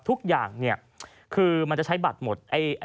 ทุกอย่างเนี่ยคือมันจะใช้บัตรหมด